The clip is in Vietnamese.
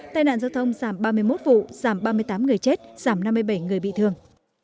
tai nạn giao thông giảm ba mươi một vụ giảm ba mươi tám người chết giảm năm mươi bảy người bị thương